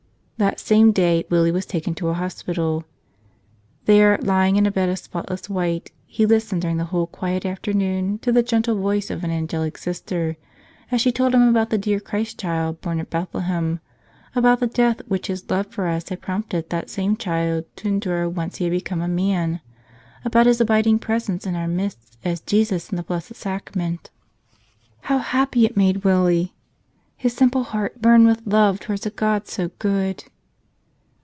That same day Willie was taken to a hospital. There, lying in a bed of spotless white, he listened during the whole quiet afternoon to the gentle voice of an angelic Sister as she told him about the dear Christ Child born at Bethlehem, about the death which His love for us had prompted that same Child to endure once He had become a Man, about His abiding presence in our midst as Jesus in the Blessed Sacrament. How happy it made Willie ! His simple heart burned with love towards a God so good.